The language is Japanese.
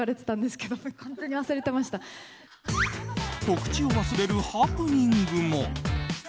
告知を忘れるハプニングも。